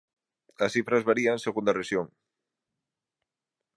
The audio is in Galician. As cifras varían segundo a rexión.